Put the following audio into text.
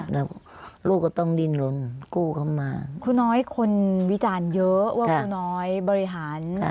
แล้วลูกก็ต้องดินลนกู้เข้ามาครูน้อยคนวิจารณ์เยอะว่าครูน้อยบริหาร